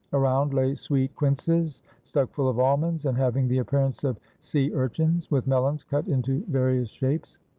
Around lay sweet quinces, stuck full of almonds, and having the appearance of sea urchins, with melons cut into various shapes.